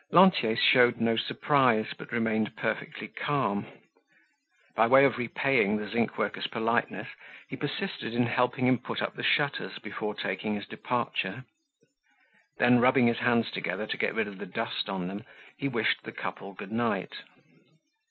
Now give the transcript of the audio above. Lantier showed no surprise, but remained perfectly calm. By way of repaying the zinc worker's politeness he persisted in helping him put up the shutters before taking his departure. Then rubbing his hands together to get rid of the dust on them, he wished the couple good night.